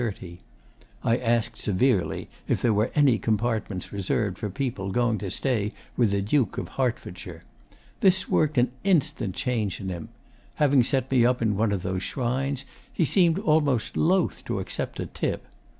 I asked severely if there were any compartments reserved for people going to stay with the Duke of Hertfordshire. This worked an instant change in him. Having set me in one of those shrines, he seemed almost loth to accept a tip.